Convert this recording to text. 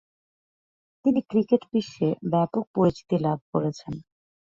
তিনি ক্রিকেট বিশ্বে ব্যাপক পরিচিতি লাভ করেছেন।